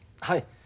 はい。